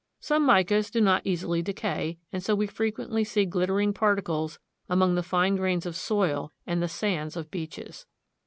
Some micas do not easily decay, and so we frequently see glittering particles among the fine grains of soil and the sands of beaches.